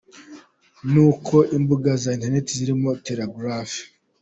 Nkuko imbuga za internet zirimo telegraph.